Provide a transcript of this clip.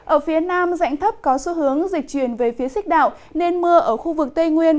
ở phía nam dạnh thấp có xu hướng dịch truyền về phía xích đạo nên mưa ở khu vực tây nguyên